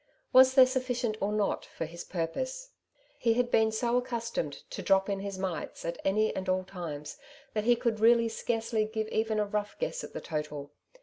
Was there suflScient or not for his purpose ? He had been so accustomed to drop in his mites at any and at all times, that he could really scarcely give even a rough guess at the total.